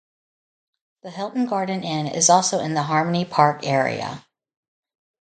The Hilton Garden Inn is also in the Harmonie Park area.